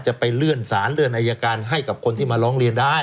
จะไปเลื่อนสารเลื่อนอายการให้กับคนที่มาร้องเรียนได้